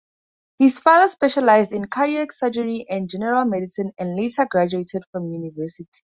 His father specialized in cardiac surgery and general medicine and later graduated from university.